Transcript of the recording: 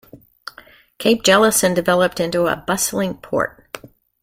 Cape Jellison developed into a bustling port.